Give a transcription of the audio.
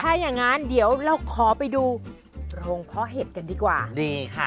ถ้าอย่างงั้นเดี๋ยวเราขอไปดูโรงเพาะเห็ดกันดีกว่านี่ค่ะ